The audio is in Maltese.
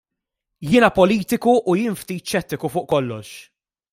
Jiena politiku u jien ftit xettiku fuq kollox.